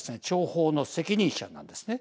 諜報の責任者なんですね。